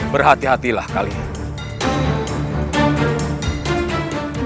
berhati hatilah kali ini